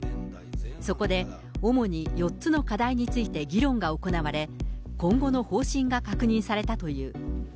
そこで、主に４つの課題について議論が行われ、今後の方針が確認されたという。